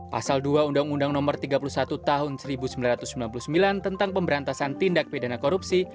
pasal dua undang undang no tiga puluh satu tahun seribu sembilan ratus sembilan puluh sembilan tentang pemberantasan tindak pidana korupsi